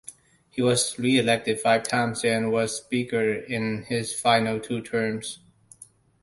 He was reelected five times, and was Speaker in his final two terms.